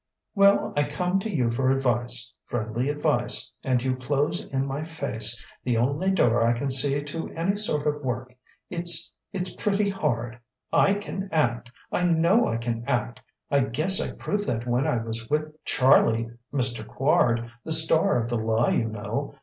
"Well, I come to you for advice friendly advice and you close in my very face the only door I can see to any sort of work. It's it's pretty hard. I can act, I know I can act! I guess I proved that when I was with Charlie Mr. Quard the star of 'The Lie,' you know.